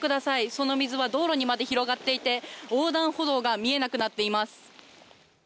その水は道路にまで広がっていて、横断歩道が見えなくなっています。